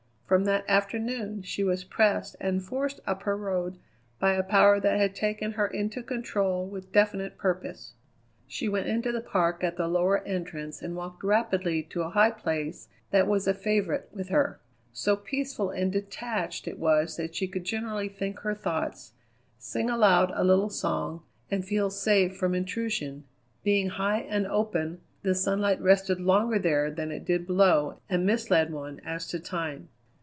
From that afternoon she was pressed and forced up her Road by a power that had taken her into control with definite purpose. She went into the park at the lower entrance and walked rapidly to a high place that was a favourite with her. So peaceful and detached it was that she could generally think her thoughts, sing aloud a little song, and feel safe from intrusion. Being high and open, the sunlight rested longer there than it did below and misled one as to time.